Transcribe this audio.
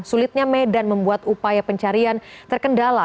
sulitnya medan membuat upaya pencarian terkendala